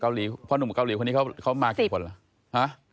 เกาหลีพ่อหนุ่มเกาหลีคนนี้เขามากี่คนเหรอฮะ